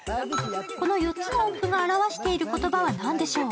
この４つの音符が表している言葉は何でしょう。